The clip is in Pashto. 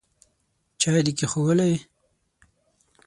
چای دي کښېښوولې ؟